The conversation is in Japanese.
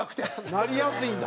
なりやすいんだ。